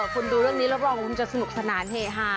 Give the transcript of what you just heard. คนดูเรื่องนี้รับรองว่าคุณจะสนุกสนานเฮฮา